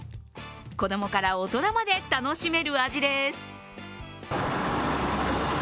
子供から大人まで楽しめる味です。